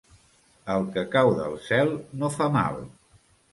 El que cau del cel no fa mal.